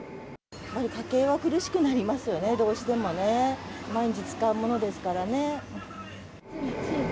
家計は苦しくなりますよね、どうしてもね。毎日使うものですからね。